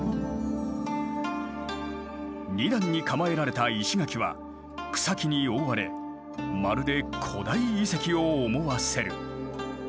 ２段に構えられた石垣は草木に覆われまるで古代遺跡を思わせる。